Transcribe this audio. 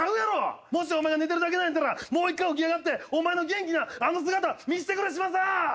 もしお前が寝てるだけなんやったらもう１回起き上がってお前の元気なあの姿見せてくれ嶋佐！